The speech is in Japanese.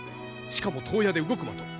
しかも遠矢で動く的。